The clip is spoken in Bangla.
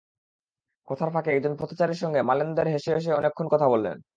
কথার ফাঁকে একজন পথচারীর সঙ্গে মালেন্দার হেসে হেসে অনেকক্ষণ কথা বললেন।